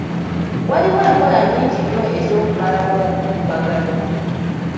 Waliwo enkola nnyingi nnyo ez'okumalawo obukuubagano.